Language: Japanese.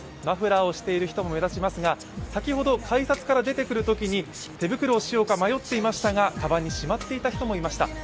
マフラーをしている人も目立ちますが、先ほど改札から出てくるときに、手袋をしようか迷っていましたが鞄にしまっている人もいました。